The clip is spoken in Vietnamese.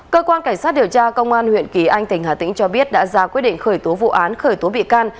cơ quan cảnh sát điều tra công an huyện kỳ anh tỉnh hà tĩnh cho biết đã ra quyết định khởi tố vụ án khởi tố bị can